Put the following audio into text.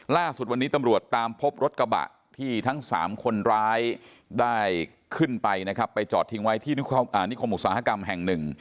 ล่าสุดวันนี้ตำรวจตามพบรถกระบะที่ทั้งสามคนร้ายได้ขึ้นไปนะครับไปจอดทิ้งไว้ที่นิคมอุตสาหกรรมแห่งหนึ่ง